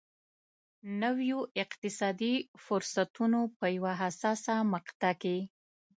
نویو اقتصادي فرصتونو په یوه حساسه مقطعه کې.